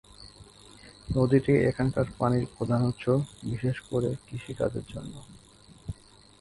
নদীটি এখানকার পানির প্রধান উৎস, বিশেষ করে কৃষি কাজের জন্য।